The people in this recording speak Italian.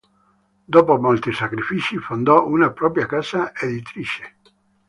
Dopo molti sacrifici, fondò una propria casa editrice.